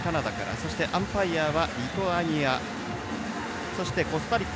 そしてアンパイアはリトアニアそして、コスタリカ。